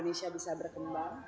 indonesia bisa berkembang